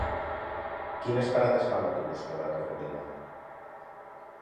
Quines parades fa l'autobús que va a Torrevella?